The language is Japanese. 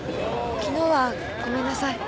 昨日はごめんなさい。